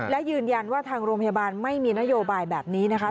และยืนยันว่าทางโรงพยาบาลไม่มีนโยบายแบบนี้นะคะ